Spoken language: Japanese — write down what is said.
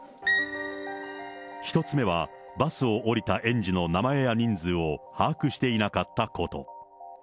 １つ目はバスを降りた園児の名前や人数を把握していなかったこと。